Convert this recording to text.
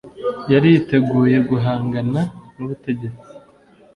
yari yiteguye guhangana n'ubutegetsi